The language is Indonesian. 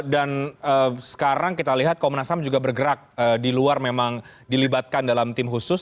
dan sekarang kita lihat komnas ham juga bergerak di luar memang dilibatkan dalam tim khusus